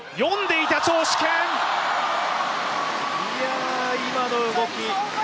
いや今の動き。